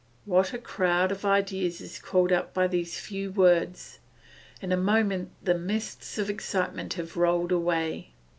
What a crowd of ideas is called up by these few words. In a moment the mists of excitement have rolled away.